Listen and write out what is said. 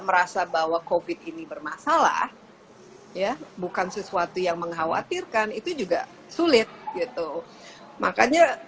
merasa bahwa covid ini bermasalah ya bukan sesuatu yang mengkhawatirkan itu juga sulit gitu makanya